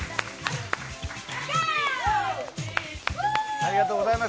ありがとうございます。